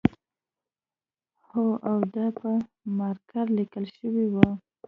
هو او دا په مارکر لیکل شوی و